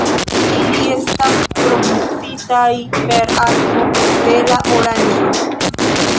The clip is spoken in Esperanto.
Ili estas provizitaj per akvo de la Oranĝo.